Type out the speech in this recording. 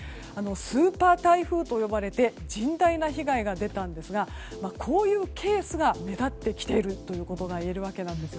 スーパー台風と呼ばれて甚大な被害が出たんですがこういうケースが目立ってきているということが言えるわけです。